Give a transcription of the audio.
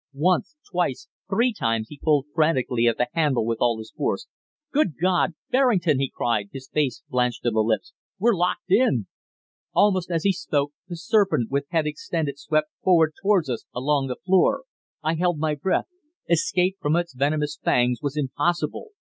Once, twice, three times he pulled frantically at the handle with all his force. "Good God! Berrington," he cried, his face blanched to the lips, "we're locked in!" Almost as he spoke, the serpent with head extended swept forward towards us, along the floor. I held my breath. Escape from its venomous fangs was impossible.